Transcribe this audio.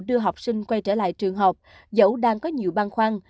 đưa học sinh quay trở lại trường học dẫu đang có nhiều băn khoăn